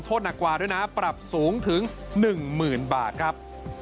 หนักกว่าด้วยนะปรับสูงถึง๑๐๐๐บาทครับ